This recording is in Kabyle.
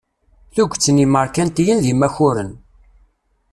Tuget n yimerkantiyen d imakuren.